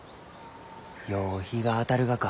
よう日が当たるがか